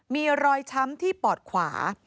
มีรอยช้ำที่ปอดขวา